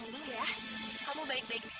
sebentar ya aku panggilin dulu